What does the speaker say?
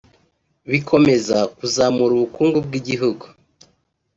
bikomeza kuzamura ubukungu bw’igihugu